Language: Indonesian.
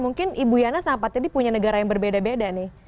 mungkin ibu yana sama pak teddy punya negara yang berbeda beda nih